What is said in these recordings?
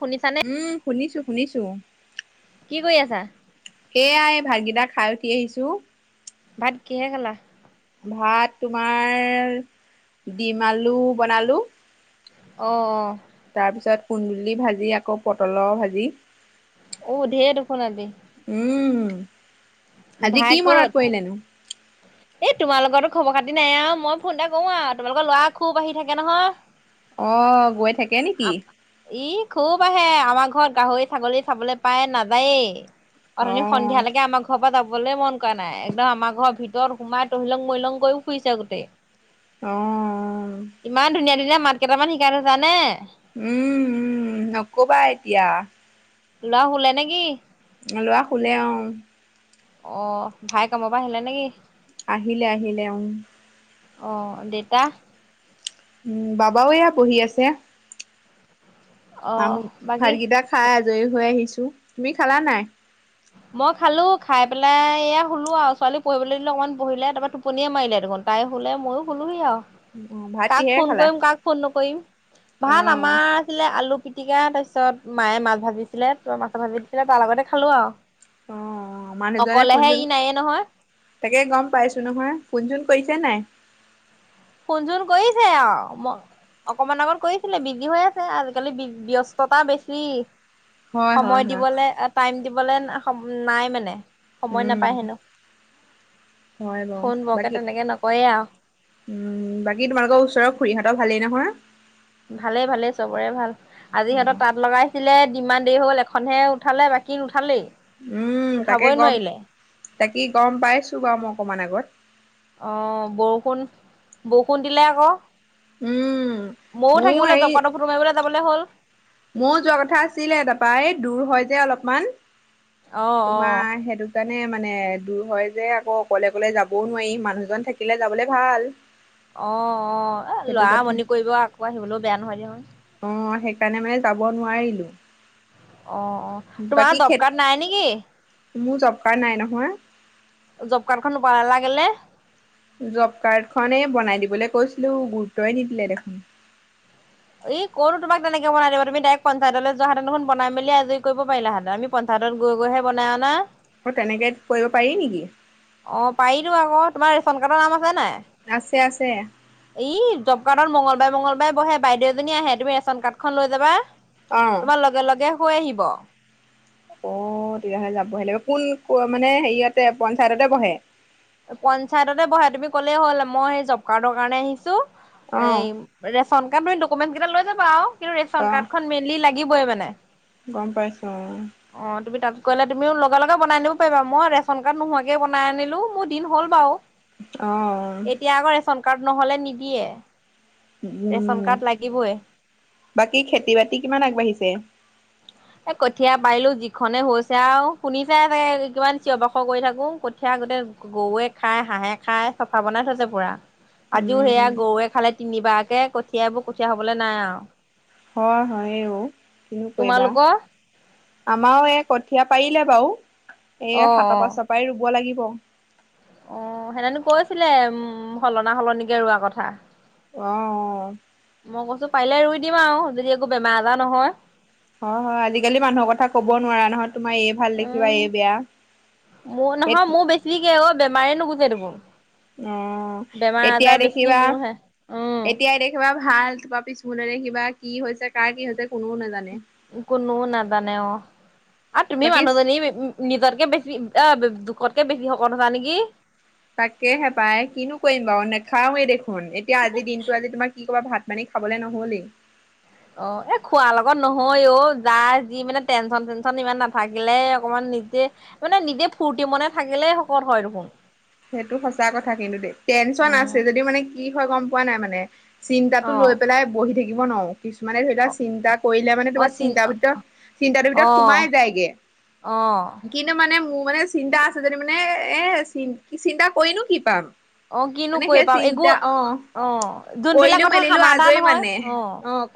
শুনিছানে উম শুনিছো। শুনিছোঁ। কি কৰি আছা? এয়াই ভাতগিটা খাই উঠি আহিছো। ভাত কিহে খালা? ভাত তোমাৰ দি আলু বনালোঁ। অ অ কুন্দুলি ভাজি আকৌ পটলৰ ভাজি। অ ঢেৰ দুখোন আজি। [unintelligible] আজি কি মনত পৰিলেনো? এ তোমালোকৰো খবৰ খাতি নাই আও মই ফোন এটা কৰো আও তোমালোকৰ ল'ৰা খুব আহি থাকে নহয়। অহ্ গৈ থাকে নেকি? ই খুব আহে আমাৰ ঘৰত গাহৰি, ছাগলী চাবলৈ পাই নাযায়েই। অ অথনি সন্ধিয়া লৈকে আমাৰ ঘৰ পৰা যাব। বলে মন কৰা নাই একদম আমাৰ ঘৰত ভিতৰত সোমাই তহিলং মৰিলং কৰিও ফুৰিছে গোটেই। অ ইমান ধুনীয়া ধুনীয়া মাত। কেইটামান শিকাই থৈছা নে? উম', - উম ', নকবা এতিয়া। না হুলা নেকি? লৰা খোলে অহ ', অহ ', ভাই কাম পৰা আহিলে নেকি? আহিলে - আহিলে উম ', অহ ', দেতা? উম ', বাবাও এয়া বহি আছে। অ আম বাকী ভাতকিটা খাই আজৰি হৈ আহিছো। তুমি খালা নাই? মই খালো খাই পেলাই এয়া শোলো আৰু ছোৱালী পঢ়িবলৈ দিলে অকণমান পঢ়িলে তাৰপৰা টোপনিয়ে মাৰিলে দেখোন তাই শুলে ময়ো শোলোহি আৰু। অ ভাত কাক কিহেৰে ফোন খালা কৰিম কাক ফোন নকৰিম ভাল অ আমাৰ আছিলে আলু পিট পিটিকা তাৰপিছত মায়ে মাছ ভাজিছিলে তই মাছ ভাজি দিছিলে তাৰ লগতে খালো আৰু। অহ ', মানুহজনে ফোন অকলেহে চোন ই নায়ে নহয় তাকে গম পাইছো নহয় ফোনচোন কৰিছে। কেনাই ফোন চোন কৰিছে আৰু ম অকমান আগত কৰিছিলে বিজি হৈ আছে আজিকালি বি ব্যস্ততা বেছি। হয় হয় সময় হয়। দিবলে টাইম দিবলে। নাই মানে। সময় উম নাপায় হেনো হয় বাৰু ফোন বৰকে বাকী তেনেকে নকৰে আৰু। উম', বাকী তোমালোকৰ ওচৰৰ খুুৰীহঁতৰ ভালেই নহয়? ভালে -ভালেই চবৰে ভাল আজি সিহঁতৰ তাঁত লগাইছিলে। ইমান দেৰি হ'ল এখনহে উঠালে বাকী নুঠালেই। উম ', তাকে উঠাবই গম নোৱাৰিলে তাকি গম পাইছো বাৰু মই অকমান আগত। অ বৰষুণ বৰষুণ দিলে আকৌ। উম', ময়ও ময়ো থাকিবলৈ হেৰি দপানত ফুমাইিবলৈ যাবলৈ হ'ল। ময়ো যোৱা কথা আছিলে তাৰাপা এই দূৰ হয় যে অলপমান। অ অ তোমাৰ সেইটো কাৰ? মানে- মানে দূৰ হয় যে আকৌ অকলে- অকলে যাবও নোৱাৰি মানুহজন থাকিলে যাবলৈ ভাল। অহ ', - অহ ', সেইটো লৰামনি কৰিব আকৌ আহিবলৈও বেয়া নহয় দিয়া বাৰু। অহ ', সেইকাৰণে মানে যাব নোৱাৰিলো। অহ ', - অহ ', বাকী তোমাৰ খে জবকাৰ্ড নাই নেকি? মোৰ জব কাৰ্ড নাই নহয়। জবকাৰ্ডখন নবনালা কেলে? জবকাৰ্ড খনেই বনাই দিবলৈ কৈছিলো গুৰুত্বয়ে নিদিলে দেখোন। এই কতো তোমাক তেনেকে বনাই দিব তুমি ডাইৰৰেক্ট পঞ্চায়তলৈ যোৱাাহাধতেন দেখখন বনাই মেলি আজৰি কৰিব পাৰিলাহেতেন আমি পঞ্চায়ত গৈ গৈহেনাই অনা। অহ ', তেনেকে কৰিব পাৰি নেকি? অহ ', পাৰিতো আকৌ তোমাৰ ৰেচন কাৰ্ডৰ নাম আছে? আছে আছে আছে নে ই যবকাৰ্ড মংগল বাই মঙগলবাৰে বে বাইদেউজনী আহে তুমি ৰেচন কাৰ্ডখন লৈ যাবা। অ'। তোমাৰ লগে- লগে। হৈ আহিব অ তেতিয়াহ'লে যাবহ কোন ক মানে হেৰিয়তে পঞ্চায়ততে বহে পঞ্চায়ততে বহে তুমি ক'লেই হ'ল মই সেই জব কাৰ্ডৰ কাৰণে আহিছোঁ এই অ' ৰে খনকাৰদ তুমি ডকুমেণ্ট কেইটা লৈ যাবা আৱ কিন্তু ৰেচন অ' কাৰ্ডখন মেইনলি লাগিবই মানে নাই গম পাইছোঁ তুমি তাত গ'লে তুমিও লগে লগে বনাই আনিব পাৰিবা মই ৰেচন কাৰ্ড নোহোৱাকে বনাই আনিলো মোৰ দিন হ'ল বাৰু আহ এতিয়া আকৌ ৰেচন কাৰ্ড নহ'লে নিদিয়ে ৰেচন উম কাৰ্ড লাগিবই বাকী খেতি বাতি কিমান আগবাঢ়িছে এ কঠীয়া পাৰিলো যিখনে হৈছে আৱ শুনি চাইে কিমান চিঞ বাখৰ কৰি থাকো কঠীয়া গোটেই গৰুৱে খাই হাঁহে খাই চফা বনাই থৈছে পুৰা আজিও সেয়া উম, গৰুৱে খালে তিনিবাকে কঠিয়াবোৰ কঠীয়া হ'বলে নাই আৱ হয় হয় হয়েও কিনো কৰিবা তোমালোকৰ আমাৰও এ কঠীয়া পাৰিলে বাৰু অ এ সাত পাচৰ অ পৰাই ৰুব লাগিব ব অ সেতেনো কৈছিলে উম সলনা সলনিকে ৰোৱা কথা আহ মই কৈছোঁ পাৰিলে ৰুই দিম আৱ যদি একো বেমাৰ আজাৰ নহয় হয় হয় আজিকালি মানুহৰ কথা ক'ব নোৱাৰা নহয় তোমাৰ এই ভাল দেখিবা উম এই বেয়া মোৰ নহয় স মোৰ বেছিকে অ বেমাৰে নুগুচে দেখোন অ বেমাৰ আজাৰ এতিয়াই বেছি দেখিবা মোৰ হে উম এতিয়াই দেখিবা ভাল তাপা পিছফালেৰে কিবা কি হৈছে কাৰ কি হৈছে কোনোও নাজানে কোনো নেজানে অ আৰু তুমি বাকী মানুহজনী উ নিজতকে বেছি অ জুখতকে বেছি শকত হৈছা নেকি তাকেহে পায় কিনো কৰিম বাৰু নেখাওঁ ৱে দেখোন এতিয়া আজি দিনটো আজি তোমাৰ কি কবা ভাত মানে খাবলে নহ'লেই অ এ খোৱাৰ লগত নহয় অ যা যি মানে টেনচন চেনচন ইমান নাথাকিলে অকমান নিজে মানে নিজে ফুৰ্তি মনে থাকিলে শকত হয় দেখোন সেইটো সঁচা কথা কিন্তু দেই টেনচন উম আছে যদিও মানে কি হয় গম পোৱা নাই মানে চিন্তা টো অ লৈ পেলাই বহি থাকি ইৱ নোৱৰো [unintelligible] কিছুমানে ধৰি লোৱা অ চিন্তা কৰিলে মানে অ তোমাৰ চিন চিন্ত ভিতৰত চিন্তাটো অ ভিতৰত সোমাই যায়গে অ কিন্তু মানে মোৰ মানে [unintelligible] চিন্তা আছে যে মানে এ চি কি চিন্তা কৰিনো কি পাম অ কিনো মানে কৰি সেই পাম একো চিন্তা অ অ যোনবিলাক কৰিলো কথা মেলিলো সমাধান আজৰি হয় মানে অ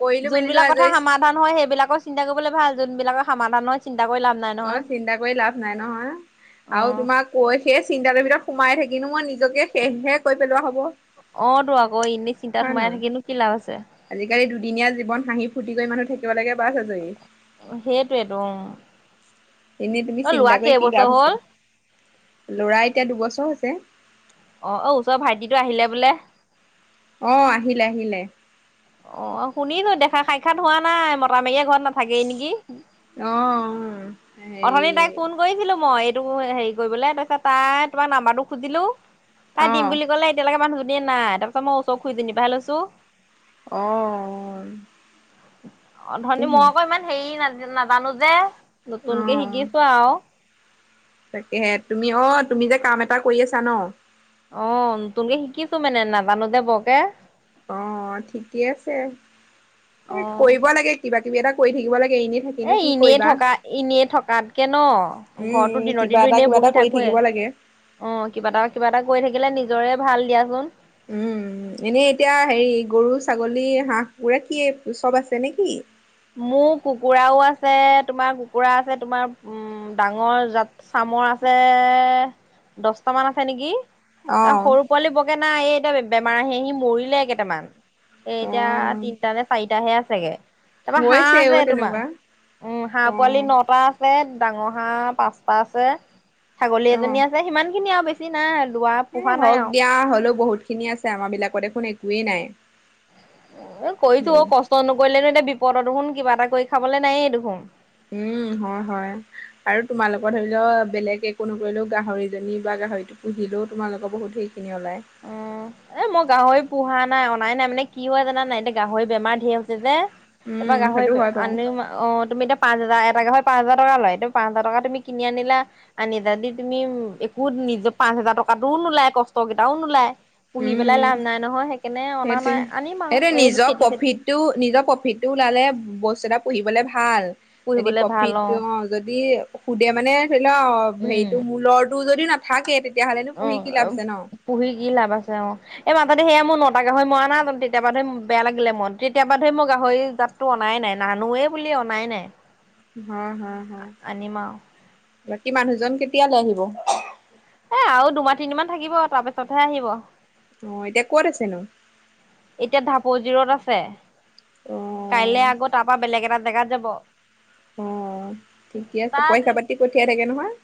কৰিলো মেলিলো যোনবিলাক কথা আজৰি সমাধান হয় সেইবিলাকৰ চিন্তা কৰিবলে ভাল [unintelligible] যোনবিলাকৰ সমাধানৰ চিন্তা [unintelligible] নাই অ নহয়। চিন্তা কৰি লাভ নাই নহয় অ আৰু তোমাক কৈ শেষ চিন্তাৰৰ ভিতৰত সোমাই থাকিনো মই নিজকেহেপেলোৱা হয় [unintelligible] অ তো আকৌ এনেই চিন্তাত সোমাই নহয়। থাকিনো কি লাভ আছে গৈ মানু থাক লাগে বাছ আজৰি। সেইটোৱেইটো অ এনেই তুমি লোৱা চিন্তা কৰি কি কেইবছৰ লাভ আছ হ'ল? লৰা এতিয়া দুবছৰ হৈছে অ অ ওচৰ ভাইটিটো আহিলে বোলে আহ আহিলে আহিলে অ শুনিলো দেখা সাক্ষাৎ হোৱা নাই মতা মেকীয়ে ঘৰত নাথাকেই নেকি অ অথনি হেৰি তাইক ফোন কৰিছিলো মই টো হেৰি কৰিবলৈ তাৰপিছত তাই তোমাৰ নাম্বাৰটো খুজিলো ক দিম বুলি কলে এতিয়ালৈ মানুহ [unintelligible] এ নাই তাৰপিছত মই ওচ খুই জনি পা লৈছো [unintelligible] আহ অ ধনী মই আকৌ ইমান হেৰি নাজ নাজানো যে নতুনকে অ' শিকিছো আৰু তাকেহে তুমি অ তুমি যে কাম এটা কৰি আছা ন অ নতুনকে শিকিছো মানে নাজানো দে বৰকে [unintelligible] অ ঠিকেই আছে স অ' কৰিব লাগে কিবা কিব এটা কৰি থাকিব লাগে এনেই এ থাকিনো কি এনেই কৰিবা থকা এনেই থকাতকে ন উম ঘৰতৰতো উম দিনৰ কিবা দিনো এটা এনেই কিবা এটা বহি কৰি থাকোৱেই থাকিব লাগে অ কিবা এটা কিবা এটা কৰি থাকিলে নিজ নিজৰে ভাল দিয়াচোন উম এনেই এতিয়া হেৰি গৰু ছাগলী হাঁহ গৰাকাকী চব আছে নেকি মোৰ কুকুৰাও আছে তোমাৰ কুকুৰা আছে তোমাৰ উম ডাঙৰাত চামৰ আছে দহটামান আছে নেকি তাৰ অ' সৰু পোৱালি বগে না এই বেমাৰ আহে সি মৰিলে কেইটামান। এ এতিয়া অ' তিনটা নে চাৰিটাাহে আছে। চাগে। তাৰাপা হৈছে হাঁহ আছে অ' তোমাৰ তেনেকুৱা উম হাঁহ পোৱালি অ' নটা আছে। ডাঙৰ হাঁহ পাঁচটা আছে। ছাগলী এজনী অ' আছে সিমান খিনি আৰু বেছি বেছিনাই এ হওক দিয়া হ'লেও বহুত খিনি আছে আমাৰ বিলাকত দেখোন একো কোৱেই নাই। এ হেৰি কছো কষ্ট নকৰিলেনো এতিয়া বি পদ দুুখন কিবা এটা কৰি খাবলৈ নায়েই এই দেখোন। উম হয় হয় আৰু তোমালোকৰ ধৰি লও বেলেগ একো নকৰিলেও গাহৰিজনী বা গাহৰিটো পুহিলেও তোমালোকৰ বহুত সেই অ এ মই গাহৰি পোহা নাই অনাই নাই মানে কি হয় জানা নাই এতিয়া গাহৰি বেমাৰ ধেৰ হৈছে যে, তাৰপা উম গাহৰি সেইটো হয় বাৰু আনি অ তুমি এতিয়া পাঁচ হাজাৰ এটাকে হয় পাঁচ হাজ টকা লয়টো পাঁচ হাজাৰ টকা তুমি কিনি আনিলা আনি যদি তুমি একো নিজৰ পাঁচ হাজাৰ টকাতো নোলাই কষ্টেই টাউন ওলায়। উম অনা সেইটোয়ে নাই আনিম আৰু সেইটো এই নিজৰ খেতি চেতি প্ৰফিটটো নিজৰ প্ৰফিটটো ওলালে বস্তুএটা পুহিবলৈ ভাল। যদি পুহিবলে ভাল প্ৰফিত অ যদি সুধে মানে ধৰি লোৱা উম। হেৰিটো মূলৰটো যদি ন থাকে। তেতিয়াহ'লেনো অ পুহি কি লাভ আছে পুহি কি লাভ আছে? অ এই মাততে সেয়া মোৰ ন টা গাহৰি মৰানা জ তেতিয়াবা ধৰি বেয়া লাগিলে মন তেতিয়াবা ধৰি মই গাহৰি জাততটো অনাই নাই নানোৱেই বুলি অনাই নাই হ হ হ আনিম আৰু বাকী মানুহজন কেত তেতিয়ালৈ আহিব? এ আৰু দুমাহ তিনিমান থাকিব তাৰপিছতহে আহিব। অ এতিয়া ক'ত আছে নো? এতিয়া ঢাপ জিৰত আছে। অ কাইলৈ আকৌ তাৰপা বেলেগ এটা জেগাত যাব। ব অ ঠিকে আছে পইচা পাতি পঠিয়াই থাকে নহয়।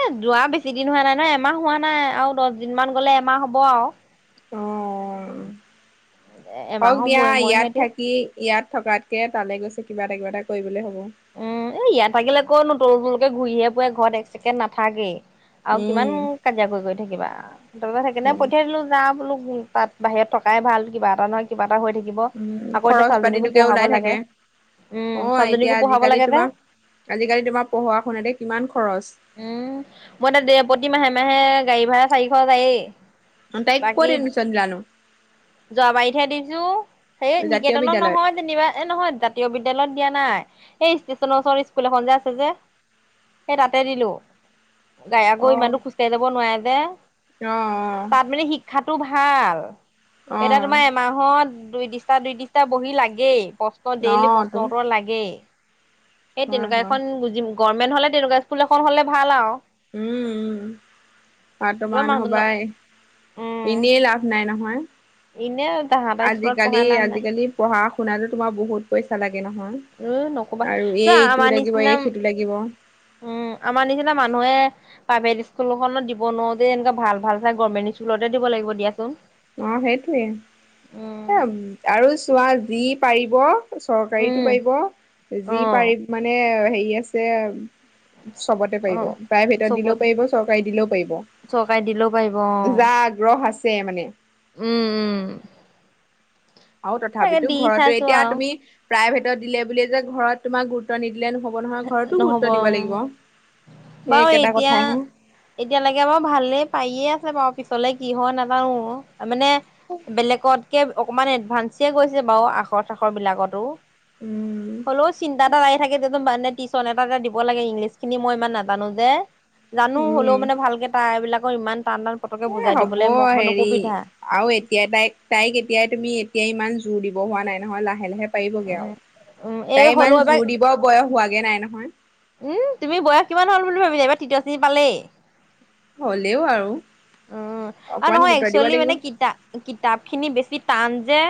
এ যোৱা বেছি দিন হোৱা নাই ন এমাহ হোৱা নাই আৰু দহ দিন মান গলে এমাহ হ'ব আৰু। অ। হওক এমাহৰ দিয়া মূৰে ইয়াত মূৰেহে দিয়ে। থাকি ইয়াত থকাতকে তালে গৈছে কিবা এটা কিবা এটা কৰিবলৈ হ'ব উম এ ইয়াত থাকিলে কনো তল তলকে ঘূৰিহে ফুৰে ঘৰত এক চেকেণ্ড নাথাকেই আৰু কিমান উম, কাজিয়া কৰি কৰি থাকিবা তাৰছত সেইকাৰণে হয়। পঠিয়াই দিলো যা বোলো উ তাত বাহিৰত থকাই ভাল কিবা এটা নহয় কিবা হৈ থাকিব উম, আকৌ এতিয়া খৰচ ছালীজনীকো পাতিটোকে পঢ়াব ওলাই লাগে থাকে উম অ' এতিয়া ছালজনীকো আজিকালি তোমাৰ আজিকালি তোমাৰ পঢ়া শুনাতে কিমান খৰচ উম মই তাত দে প্ৰতিমাহে মাহে গাড়ী ভাড়া চাৰিশ যায়েই তাইক ক'ত বাকী এডমিশ্যন দিলানো যোৱাবাৰীতহে দি যু সেই জাতীয় নিকেতনৰ বিদ্যালয়ত নহয় যেনিবা এ নহয় জাতীয় বিদ্যালয়ত দিয়া নাই সেই ষ্টেচনৰ ওচৰত স্কুল এখন যে আছে যে তাতে দিলো তাই আকৌ ইমান অ' দূৰ খোজকাঢ়ি যাব নোৱাৰে যে অ' তাত মানে শিক্ষাতো ভাল ভাল অ' এতিয়া অ' তোমাৰ এমাহত দুই ডিছটা দুই ডিছটা বহি লাগেই প্ৰশ্ন ডেইলি অ' প্ৰশ্ন তো উত্তৰ লাগেই সেই হয় তেনেকোৱা হয় এখন বুজি গভমেণ্ট হ'লে তেনেকোৱা স্কুল এখন হলে ভাল আও উম উম তোমাৰ বৰ্তমান মানুহজন হবাই উম এনেই লাভ নাই নহয় এনে তাহাঁতৰ স্কুলত আজিকালি পঢ়াই লাভ নাই আজিকালি পঢ়া শুনাতো তোমাৰ বহুত পইচা লাগে নহয় উম নকবা আৰু চ এই ইটো আমাৰ লাগিব নিচিনা এই সিটো লাগিব অ উম আমাৰ নিচিনা মানুহে প্ৰাইভেট স্কুলখনত দিব নোৱাৰো যে এনেকোৱা ভাল ভাল চাই গভৰ্মেণ্ট স্কুলতে দিব লাগিব দিয়াচোন সেইটোৱে। উম এ আৰু চোৱা যি পাৰিব চৰকাৰীতো উম পাৰিব অ যি পাৰি মানে হেৰি দি আছে আৰু চবতে অ পাৰিব প্ৰাইভেটত দিলেও চবত পাৰিব চৰকাৰী দিলেও চৰকাৰে দিলেও অ পাৰিব যা আগ্ৰহ আছে মানে উম উম আৰু তাকে তথাপিতো দি ঘৰতো চাইছো এতিয়া আৰু তুমি প্ৰাইভেটত দিলে বুলি যে ঘৰত তোমাক গুৰুত্ব নিদিয়ে নহব উম সেই বাৰু একেটা এতিয়া কথাহে এতিয়ালৈকে বাৰু ভালেই পায়ে আছে বাৰু পিছলে কি হয়, নাজানো ও। মানে বেলেগত কে অকমান এডভান্স কৰিছে বাৰু আখৰ-চাখৰ বিলাকতো। উম হ'লেও চিন্তা এটা হয় থাকে দেচোন টিউচন এটা-এটা দিব লাগে। ইংলিছখিনি মই ইমান নাজানো যে। জানো, হ'লেও উম। মানে ভালকে তাৰ এইবিলাক মই ইমান টান টান পতকে এ বুজাই হ'ব দিবলৈ মোৰ যোৰ অকমান অসুবিধা দিব হোৱা নাই নহয়। লাহে-লাহে পাৰিবগে আৰু। উম এই তাই হ'লেও ইমান এবাৰ যোৰ দিব বয়স হোৱাগে নাই নহয়। উম', তুমি বয়স কিমান হল বুলি ভাবিছা। এইবাৰ তৃতীয় শ্ৰেণী পালেই। হ'লেও আৰু উম', আৰু অকমান নহয় গুৰুত্ব দিব একচুৱেলি লাগিব। মানে কিতা-কিতাপখিনি বেছি তান যে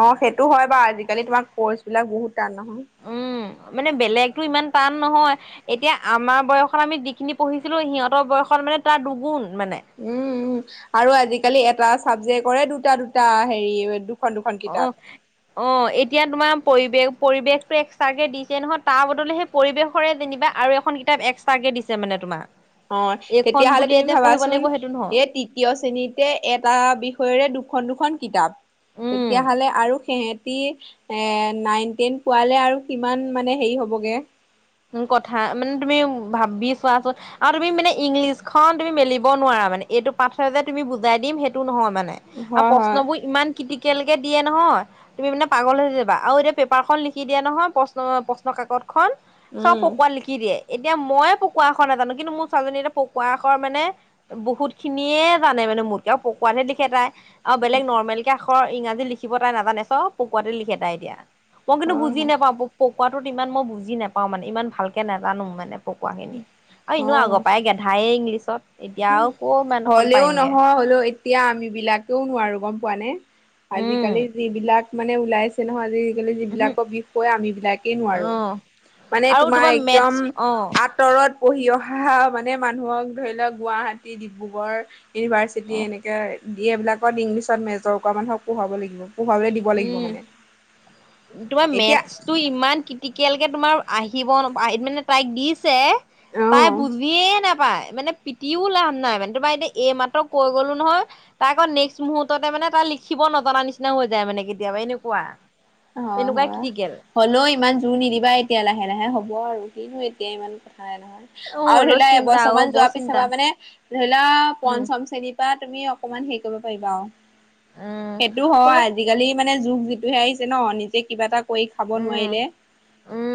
অ', সেইটো হয় বাৰু আজিকালি তোমাৰ কৰ্চ বিলাক বহুত। তান নহয় উম মানে বেলেগতো ইমান টান নহয় এতিয়া আমাৰ বয়সত আমি যিখিনি পঢ়িছিলো সিহঁতৰ বয়সত মানে তাৰ দুগুণ মানে উম উম আৰু আজিকালি এটা। চাবজেকৰে কৰে দুটা দুটা হেৰি। দুখন দুখন কিতাপ। অ', অ', এতিয়া তোমাৰ পৰিৱেশ পৰিৱেশটো এক্সট্ৰাকে দিছে নহ, তাৰ বদলি সেই পৰিৱেশৰে যেনিবা আৰু এখন কিতাপ এক্সট্ৰাকে দিছে মানে তোমাক। অ', তেতিয়াহলে তুমি ভাবাচোন লাগিব সেইটো নহয় এই তৃতীয় শ্ৰেণীতে এটা বিষয়ৰে দুটা। দুখন দুখন কিতাপ। উম তেতিয়াহলে আৰু সি সেহেতি, এ নাইন-টেন পোৱালে আৰু কিমান মানে হেৰি হ'বগে। উ, কথা মানে তুমি ভাবি চোৱাচোন আৰু তুমি মানে ইংলিছখন তুমি মেলিব নোৱাৰা মানে, এইটো পাঠে যে তুমি বুজাই দিম সেইটো নহয় মানে। নে আৰু হয়, হয়। প্ৰশ্নবোৰ ইমান ক্ৰিটিকেল দিয়ে নহয় তুমি মানে পাগল হৈ যাবা আৰু এতিয়া পেপাৰখন লিখি দিয়া নহয় প্ৰশ্ন প্ৰশ্ন কাকত খন চব উম। পকোৱাট লিখি দিয়ে। এতিয়া মই পকোৱাখৰ নাজানো কিন্তু মোৰ ছোৱালীজনী এয়া পকোৱাখৰ মানে বহুত খিনিয়ে জানে মানে মোতকে আৰু পকোৱানে লিখে তাই অ', বেলেগ নৰ্মেল কে। আখৰ ইংৰাজী লিখিব তাই নাজানে। চব পকুৱাতে লিখে তাই এতিয়া। মই কিন্তু হয়, বুজি হয়। নেপাওঁ পুক পুক। কোৱাটোত ইমান মই বুজি নেপ পাও মানে ইমান ভালকে নাজানো মানে পকোৱা খিনি, আৰু ইনেও আগৰ পৰাই গেধাই ইংলিছ। ছত হ, হ'লেও নহ-হলেও এতিয়া আমি বিলাকেও নোৱাৰো গম পোৱা নে। উম আজিকালি যিবিলাক মানে ওলাইছে নহয় আজি যিবিলাকৰ বিষয়ে আম বিলাকে নোৱাৰো, উহো অ' মানে আৰু তোমাৰ মেথছ একদম অ' আঁতৰত পঢ়ি অহ মানে মানুহক ধৰি লওক গুৱাহাটী, ডিব্ৰুগড় ইউনিভাৰ্চিটি এনেকাই ডিয়েবিলাকত ইংলিছত মেজৰ কৰা মানুহক পঢ়োৱাব লাগিব। পঢ়াবলৈ দিব লাগিব উম', মানে। তোমাৰ এতিয়া মেথছটো ইমান ক্ৰিটিকেল কে তোমাৰ আহিব নপায়, মানে তাইক দিছে তাই অ'। বুজিয়ে নাপ পায়, মানে পিতিউ লাভ নাই, মানে তোমাৰ এই মাত্ৰ কৈ গলো নহয়। তাৰ আকৌ নেক্সট মুহুৰ্ততে মানে তাৰ লিখিব নাজানা নিচিনা হৈ যায় মানে কেতিয়াবা এনেকুৱা। হয়, তেনেকুৱাই হয়। ক্ৰিটিকেল। হ'লেও ইমান জোৰ নিদিবা এতিয়া লাহে লাহে হ'ব আৰু। হিনো এতিয়া ইমান হয়-নহয় অ আৰু ধৰি হলেও লোৱা চিন্তা অ এবছৰমান বৰ যোৱাৰ পিছৰ চিন্তা পৰা মানে ধৰি লোৱা উম পঞ্চম শ্ৰেণীত বা তুমি অকমান হেৰি কৰিব পাৰিবা আৰু। উম সেইটো হয়। হলেও আজিকালি মান মানে যুগ যিটো আহিছ ন'? নিজে কিবা এটা কৰি খাব উম নোৱাৰিলে উম